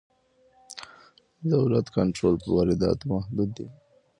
د دولت کنټرول پر وارداتو محدود دی.